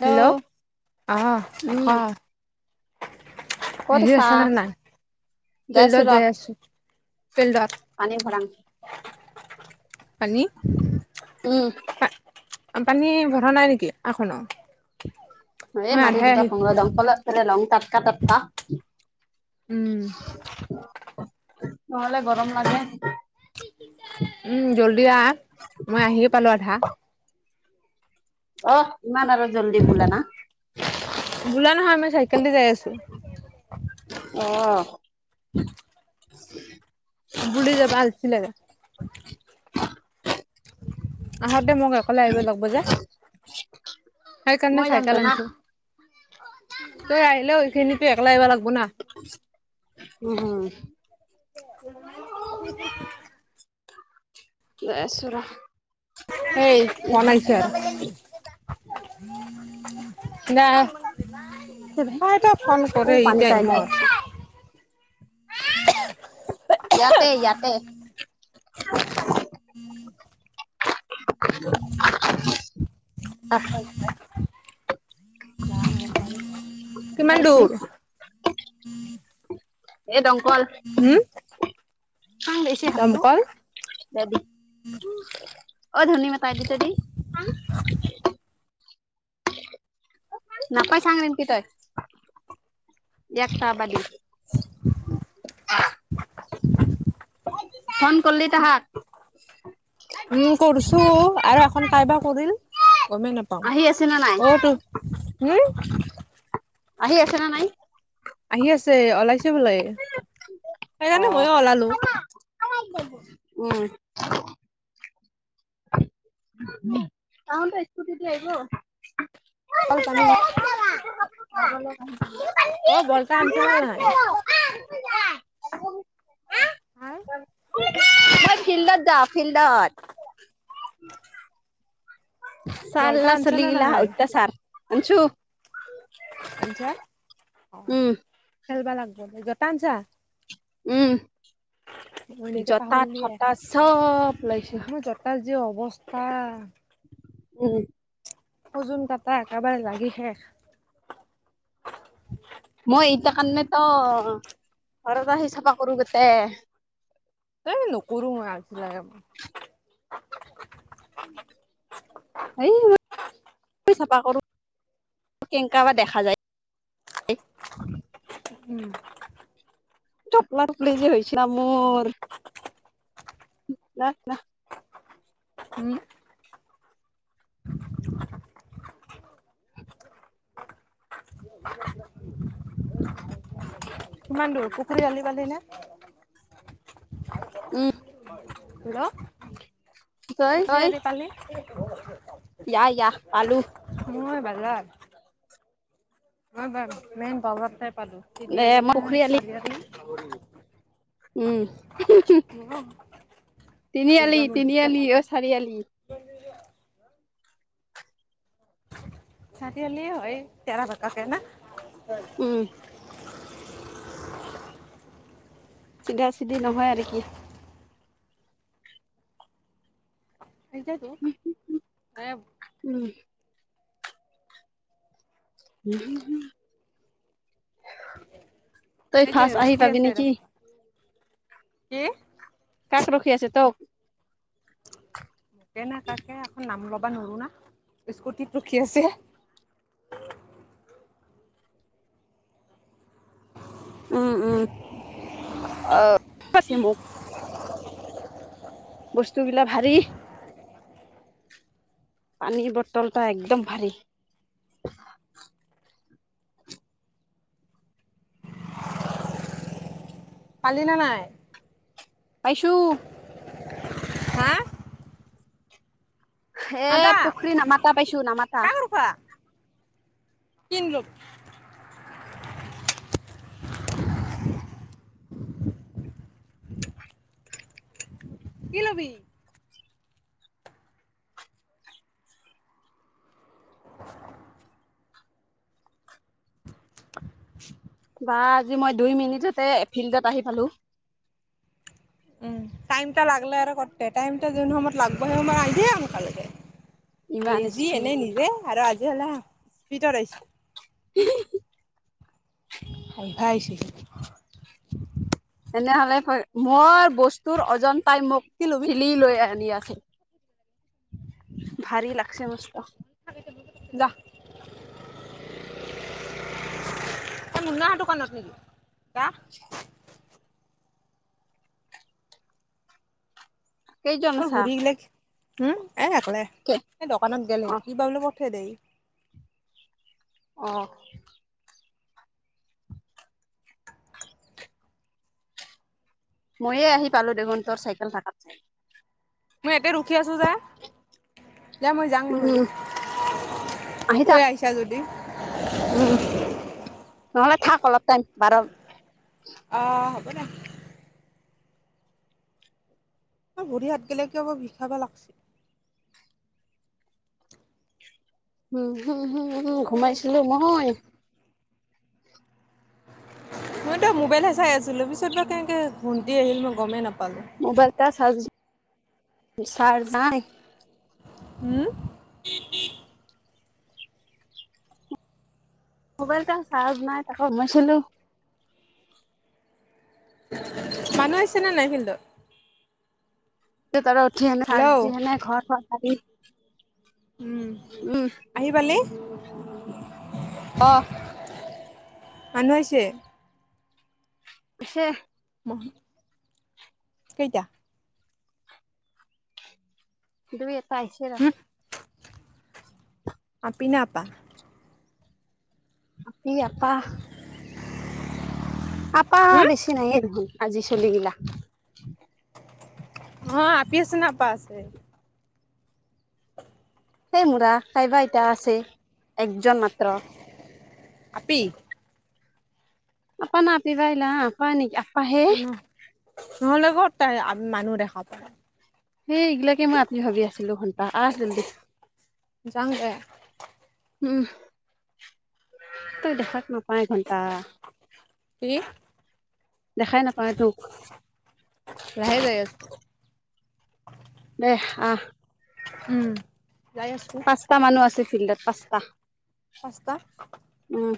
Hello অ উম অ। ক'ত আহি আছা আছ নে নাই? যাইছো ফিল্ডত ৰ যাই আছো ফিল্ডত। পানী ভৰাং পানী উম। পানী ভৰা নাই নেকি আখনৰ? এ মাৰি দিবা দমকলত লং টকা টটকা উম। নহ'লে গৰম লাগে। উম জল্দি আহ মই আহিয়ে পালো আধা। অ ইমান আৰু জল্দি বোলে না। বোলা নহয় মই চাইকেল দি যাই আছো। অহ। উ [unintelligible] উ [unintelligible] বু় যাবালছিলে [unintelligible] আহোতে মোক অকলে আহিব লাগব যে। সেইকাৰণে মই যাম তো চাইকেল না আনিছো, তই আহিলে হৈছিল নেকি একলা আহিব লাগ উম উম। [unintelligible] গৈ আছোঁ ৰ। এই ফোন আহিছে। [unintelligible] চাইব ফোন ও কৰে এই পানী খাই দে টাইমত? ইয়াতে ইয়াতে [unintelligible] [unintelligible] [unintelligible] কিমান দূৰ [unintelligible] এই দংকল হম ভাং বেছি হাতো দমকল দাবি অ ধনী মতাই দি ত দি নাপাই চাং এনকে তই। য়াক টা বাদি ফোন কৰলি তাহাক? উম কৰিছোঁ আৰু এখন কাৰাইবা কৰিল গমেই আহি আছে না নাই নাপাও। অটো উম আহি আছে না নাই? আহি আছে ওলাইছে বোলে, অ সেইকাৰণে ময়ো ওলালো। [unintelligible] উম [inaudible] অ ত স্কুটিতে আহিব হল পানী ভ [unintelligible] [unintelligible] [unintelligible] বলতা আনছা না নাই মই ফিল্ডত যাওঁ ফিল্ডত। বলতা চাল্লা আনছা চুলি না গেলা নাই অত্যাচাৰ শুনচো। শুনচা? উম। খেলবা লাগিব জতা আনছা? উম মই এনেকে জতা পাহৰিলিয়ে থটা চব লাইছো যে অৱস্থা উম ওজনোন কটা একেবাৰে লাগি শেষ মই ইতা কাৰণে ত ঘৰত আহি চাফা কৰো গোটে এই নকৰোং মই আজিলাগে এই চাফা কৰো কেনেকা বা দেখা যায় উম টপলা টপলি যে হৈছিলা মোৰ ন ন উম কিমান দূৰ পুখুৰীৰ আলিবালি নে উম হেল্ল' তই দে তই দে পালি ইয়া ইয়া পালো ঘৰত অ বাৰু মেন বজাৰতে পালো এ তিনিআলি মই পুখুৰী ন আলি উম চাৰিআ [unintelligible] তিনিআলি তিনিআলি অ চাৰিআলি চাৰিআালি হয় তেৰা বেকাকে ন উম। চিধা চিধি নহয় আৰু কি? [inaudible] সেইটোৱেইটো উম উম হম হুম। তই সেইটোৱে ফাৰ্ষ্ট আহি ৰখি পাবি আছে নেকি? ৰাস্তাত কি? কাক ৰখি আছে তোক? মোকে না কাকে এখন নাম ল'বা নোৱাৰো না। স্কুটিত ৰখি আছে। [inaudible] উম উম অ [inaudible] বস্তু বিলাক ভাৰী। পানীৰ বটলতা একদম ভাৰী। পালি নে নাই? পাইছোঁ। হা? নাযা এ পুখুৰী নামাতা পাইছো নামাতা। তিন লোক [unintelligible] [inaudible] কি লবি? [unintelligible] [inaudible] বা আজি মই দুই মিনিটতে ফিল্ডত আহি পালো। উম টাইমটা লাগলে আৰু কতে টাইমটা যোন সময়ত লাগব সেই সময়ত আহ দিয়ে এনেকালৈকে। ইমান লিজি স্পীড এনেই নিজে আৰু আজি হলে স্পিডত আহিছি [unintelligible] [unintelligible] তেনেহলে মই বস্তুৰ অজনন্তাই মোক কি ল'বি ঠেলি লৈ আনি আছে। ভাৰী লাগছে মস্ত। [inaudible] [unintelligible] এই মুন্নাহৰ দোকানতে নেকি দা কেই জনন আছা? উম এ একলে, কে এই দোকানত গলে অ কি বাবলো পঠাই দেই। অ। ময়ে আহি পালো দেখোন, তৰ চাইকেল থাকাত। মই ইয়াতে ৰখি আছো যে। এা মই যাওঁ নহল, উম আহি থাক থৈ আহিছা যদি। উম নহ'লে থাক অলপ টাইম বাৰ। অঁ হ'ব দে। ভৰি হাত গে কে বৰ বিষাব লাগিছে। উম হম হম উম ঘুমাইছিলো মই। মইতো মোবাইলহে চাই আছিলো পিছত বা কেনেকে ঘুমটি আহিল মই গমেই নাপালো। মোবাইলটা চাৰ্জ চাৰ্জ নাই। উম। মোবাইল টা চাৰ্জ নাই তাকো সোমাইছিলো। মানুহ আহছেনে নাই ফিল্ডত? তাৰ উঠিনে হেল্ল' ঘৰ চ হাৰি। উম আহিপালি? অ। মানু্হ আহিছে। হে। কেইটা। দু এটাইছে ন। আপিনা আপা। আপি আপা। আপা হুম বেছি নাইয়ে নখোন আজি চলি গিলা। অ আপি আছ ন আপা আছে। সেই মূৰা কাইবা আতা আছে। একজন মাত্ৰ। আপি আ প ন পিবাইলা প নক। ন নহ'লে ক'ত তাই মানুহ দেখা প। সেই এইগিলাকে মই আত্নি ভাবি আছিলো ঘনটা আহ জল্দি। জামদে। উম তই দেখাত নাপায় ঘণ্টা। কি দেখাই নাপায় তোক। লাহে যাই আছোঁ। দে আহ উম। যাই আছোঁ পাঁচটা মানুহ আছে ফিল্ডত পাঁচটা। পাঁচ টা। উম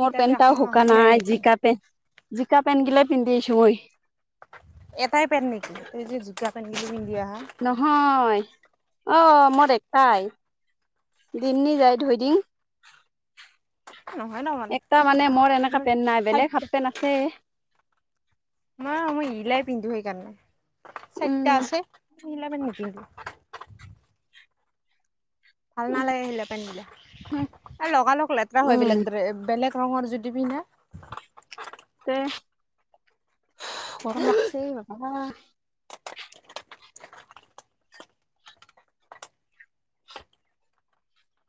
মোৰ কি পেন্টটা এখন অহাই শুকান নাই নেকি? জিকা পেণ্ট জিকা পেন্ট গিলে পিন্ধি আছো মই। এটাই পেন্ট নেকি ত যে জোতা পেন্টটো পিন্ধিয়া। নহয় অ মোৰ একটাই। দিমনি যায় ধই দিম। নহয় ন একটা মানে এটা মোৰ এনেককা পেণ্ট নাই বেলেগ হাপ চাৰিটা পেণ্ট আছে। ম মই ইলাই পিন্ধো সেইকাৰণে চাৰিটা উম আছে। এই বিলাক পেন নিপিন্ধু। ভাল নালাগে আহিলে পেন্ দিলে লগালগ লেতেৰা হয় উম বেলেগ দৰে বেলেগ। ৰঙৰ যদি পিনে। গৰমাগছে বাবা।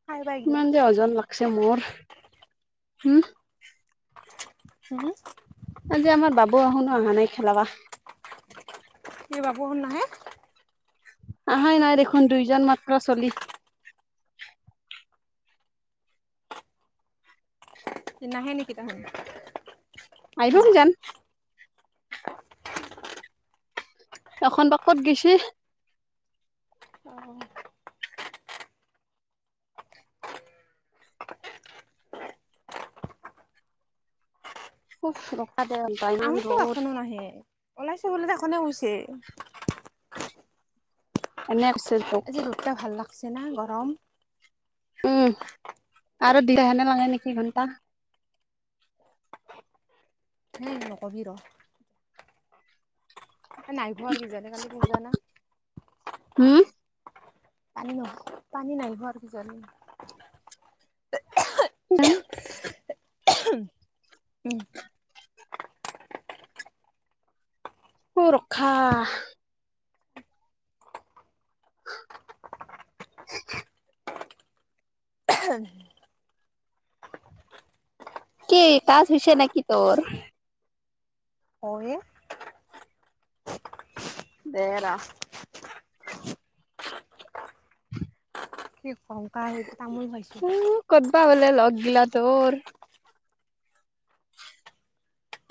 খাই বা এইগিলা ইমান যে ওজ লাগছে মোৰ হম। হুম। বৰষুনো অহা নাই খেলাবা। কি বাব শুন ন হে। আহাই নাই দেখোন দুইজন মাত্ৰ চলি নাহে নেকি তাহোন আহিবক যান এখন বা কত গৈছে অ খুবুৰক্ষা দ ইমান আমিতো ৰ'দ এখনো নাহে ওলাইছে বো দে এখনে গৈছে এনে তোক আজি ৰ'দটা ভাল লাগছে না গৰম উম আৰু দিদ সনে মাঙে নেকি ঘণ্টা হে নকবি ৰ ত নাইব আৰু কিজানে কালি তোৰ যানা হম পানী নহ পানী নাইিব আৰু কি জানি ক উম অ ৰখা [unintelligible] উ কি কাজ হৈছে নে কি তোৰ হয়ে দেৰা কংকা তামোল খাইছো প বলে লগ গিলা তোৰ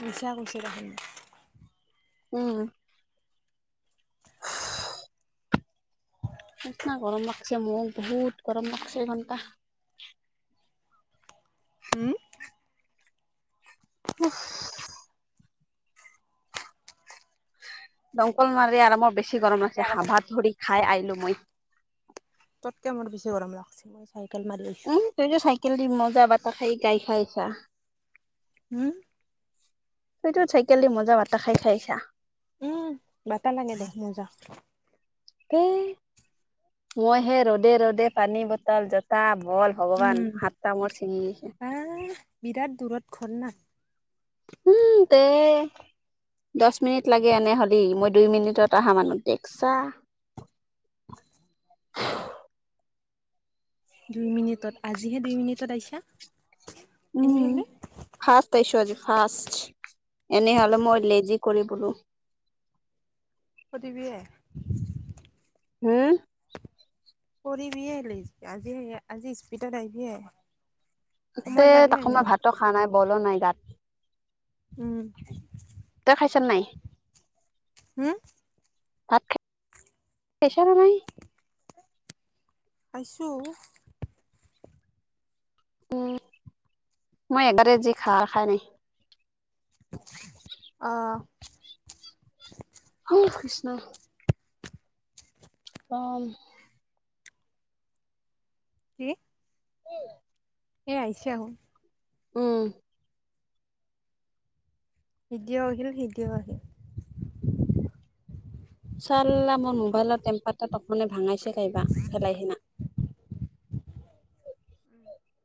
মছা কচি ৰাখন উম নিচনা গৰম লাগছে মোক বহুত গৰম লাগছে এঘণ্টা উম হু দমকল মাৰি আৰু মই বেছি গৰম আছে হ ভাত ধৰি খাই আহিলো মই ততকে মোৰ বেছি গৰম লাগছে মই চাইকেল মাৰি আহিছো কেলি মজা বটা খাই গাই খাই চা উম তইতটো চাইকেলি মজা বাতা খাই খাইছা উম বাতাহ লাগে দেহ মজা পে মই হে ৰ'দে ৰ'দে পানী বটল জোতা বল ভগৱান উম সাতটা মৰ ছিঙিছে আহ বিৰাট দূৰত ঘৰ না উম তে দহ মিনিট লাগে এনে হ'লি মই দুই মিনিটত আহা মানুহ দেখছা [unintelligible] দুই মিনিটত আজিহে দুই মিনিটত আহিছা উম এনেই হলে ফাৰ্ষ্ট তাইছো আজি ফাৰ্ষ্ট এনেহলে মই লেজি কৰি বলো কদি বি হ হুম কৰিবিয়েলি আজি আজি স্পিতত আহিবিয় তকো মই ভাতো খোৱা নাই বলো নাই গাত উম চেন্নাই হাম ভাত খ পাইছা নে নাই আছো উম মই এগতে যি খা খাই নাই। অহ। অ কৃষ্ণ। অ কি [unintelligible] এ আহছে আও উম। ভিডিঅ' আহ আহিল ভিডিঅ' আহ। চালা মোৰ মোবাইলৰ টেম্পাৰ তাতখনে ভাঙাইছে কাইবা লাই সিনা।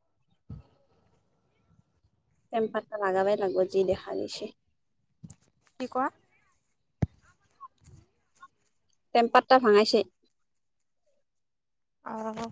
[unintelligible] টেম্পাৰটা লগাবাই লাগিব যি দেখা গৈছে কি কোৱা। টেমপাতটা ভাঙাইছে। আৰু